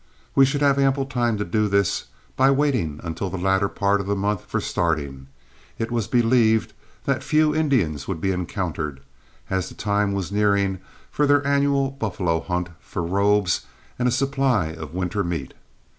We should have ample time to do this; by waiting until the latter part of the month for starting, it was believed that few Indians would be encountered, as the time was nearing for their annual buffalo hunt for robes and a supply of winter meat.